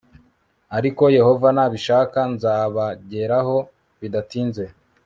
ariko yehova nabishaka nzabageraho bidatinze